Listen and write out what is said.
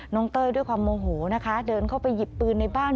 เต้ยด้วยความโมโหนะคะเดินเข้าไปหยิบปืนในบ้าน